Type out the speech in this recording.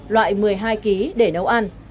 loại một mươi hai kg để nấu ăn